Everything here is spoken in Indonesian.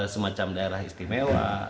semacam daerah istimewa